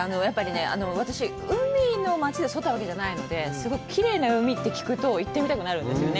私、海の町で育ったわけじゃないので、すごくきれいな海って聞くと行ってみたくなるんですよね。